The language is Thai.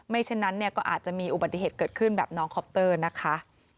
ฉะนั้นเนี่ยก็อาจจะมีอุบัติเหตุเกิดขึ้นแบบน้องคอปเตอร์นะคะ